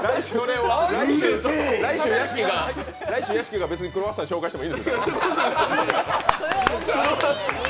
来週、屋敷が別にクロワッサン紹介してもいいですから。